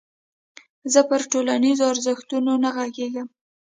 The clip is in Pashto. زه پر ټولنيزو ارزښتونو نه غږېږم.